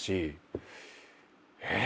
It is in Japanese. え